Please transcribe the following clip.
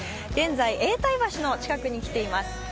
現在、永代橋の近くに来ています。